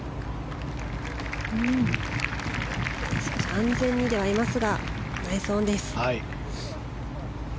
安全にではありますがナイスオンです。